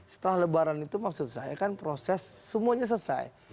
setelah lebaran itu maksud saya kan proses semuanya selesai